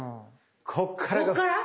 こっから？